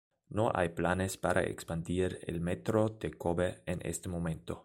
No hay planes para expandir el metro de Kobe en este momento.